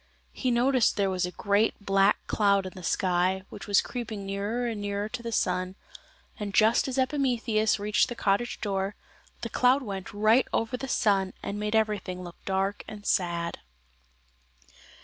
He noticed there was a great black cloud in the sky, which was creeping nearer and nearer to the sun, and just as Ejpimetheus reached the cottage door the cloud went right over the sun and made everything look dark and sad.